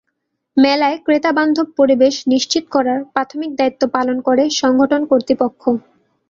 মেলায় ক্রেতাবান্ধব পরিবেশ নিশ্চিত করার প্রাথমিক দায়িত্ব পালন করে সংগঠন কর্তৃপক্ষ।